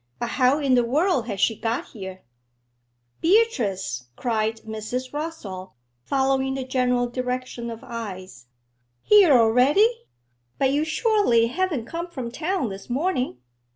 'But how in the world has she got here?' 'Beatrice!' cried Mrs. Rossall, following the general direction of eyes. 'Here already! But you surely haven't come from town this morning?'